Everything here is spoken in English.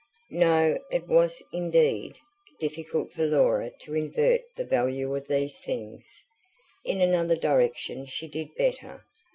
No, it was indeed difficult for Laura to invert the value of these things. In another direction she did better.